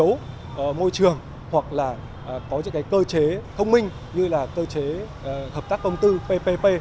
yếu môi trường hoặc là có những cái cơ chế thông minh như là cơ chế hợp tác công tư ppp